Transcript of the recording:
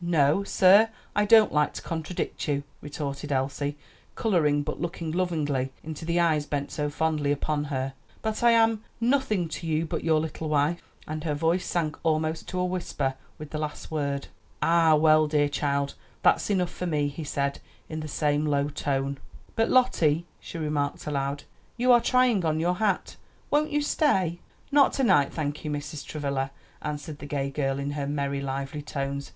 "No, sir; I don't like to contradict you," retorted Elsie, coloring but looking lovingly into the eyes bent so fondly upon her, "but I am nothing to you but your little wife;" and her voice sank almost to a whisper with the last word. "Ah? Well, dear child, that's enough for me," he said, in the same low tone. "But, Lottie," she remarked aloud, "you are tying on your hat. Won't you stay?" "Not to night, thank you, Mrs. Travilla," answered the gay girl in her merry, lively tones.